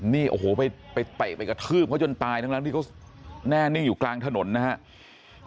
นี่โอ้โหไปเตะไปกระทืบเขาจนตายทั้งที่เขาแน่นิ่งอยู่กลางถนนนะครับ